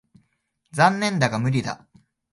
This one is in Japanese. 残念だが無理だ。